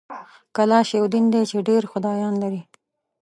کلاش یو دین دی چي ډېر خدایان لري